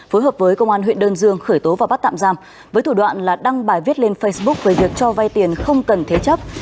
phối hợp với công an huyện đơn dương khởi tố và bắt tạm giam với thủ đoạn là đăng bài viết lên facebook về việc cho vay tiền không cần thế chấp